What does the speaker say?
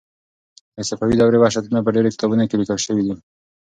د صفوي دورې وحشتونه په ډېرو کتابونو کې لیکل شوي دي.